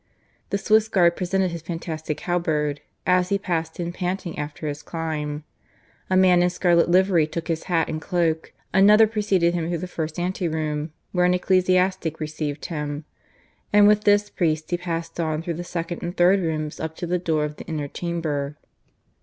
The Swiss guard presented his fantastic halberd, as he passed in panting after his climb; a man in scarlet livery took his hat and cloak; another preceded him through the first anteroom, where an ecclesiastic received him; and with this priest he passed on through the second and third rooms up to the door of the inner chamber.